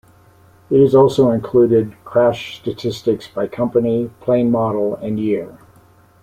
It also included crash statistics by company, plane model and year.